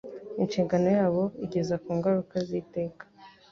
Inshingano yabo igeza ku ngaruka z' iteka.